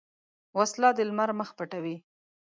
وسله د لمر مخ پټوي